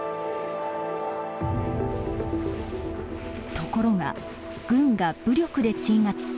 ところが軍が武力で鎮圧。